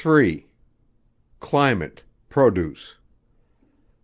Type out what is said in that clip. _Climate. Produce.